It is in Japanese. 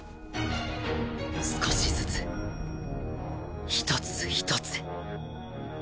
少しずつ１つ１つ